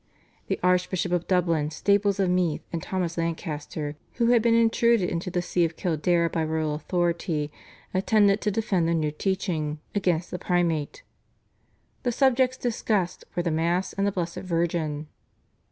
The Archbishop of Dublin, Staples of Meath, and Thomas Lancaster, who had been intruded into the See of Kildare by royal authority, attended to defend the new teaching against the Primate. The subjects discussed were the Mass and the Blessed Virgin.